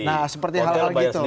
nah seperti hal hal gitu